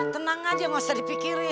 tenang aja nggak usah dipikirin